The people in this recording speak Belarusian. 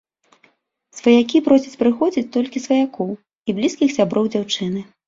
Сваякі просяць прыходзіць толькі сваякоў і блізкіх сяброў дзяўчыны.